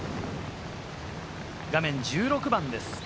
画面１６番です。